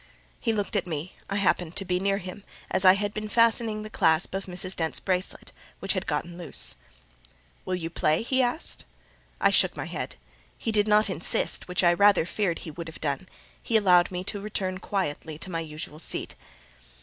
He looked at me: I happened to be near him, as I had been fastening the clasp of Mrs. Dent's bracelet, which had got loose. "Will you play?" he asked. I shook my head. He did not insist, which I rather feared he would have done; he allowed me to return quietly to my usual seat.